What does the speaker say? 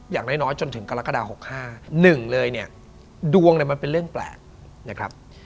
อย่างน้อยจนถึงกรกฎา๖๕๑เลยเนี่ยดวงเนี่ยมันเป็นเรื่องแปลกนะครับ